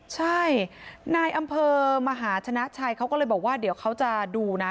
ใช่นายอำเภอมหาชนะชัยเขาก็เลยบอกว่าเดี๋ยวเขาจะดูนะ